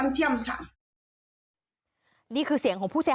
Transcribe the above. ขณะเดียวกันคุณอ้อยคนที่เป็นเมียฝรั่งคนนั้นแหละ